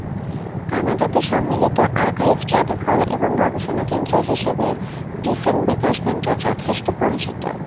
কানাডাতে সম্মিলিত আর্কাইভ, জাদুঘর এবং গবেষণা কেন্দ্র হিসেবে ডিফেনবেকার সেন্টার যথেষ্ট পরিচিত।